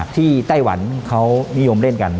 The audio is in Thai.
ไต้หวันเขานิยมเล่นกัน